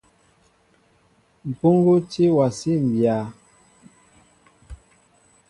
Mpuŋgu tí a wasí mbya.